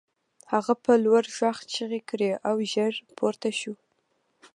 هغه په لوړ غږ چیغې کړې او ژر پورته شو